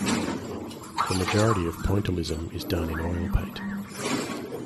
The majority of Pointillism is done in oil paint.